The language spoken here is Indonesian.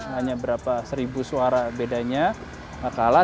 hanya berapa seribu suara bedanya kalah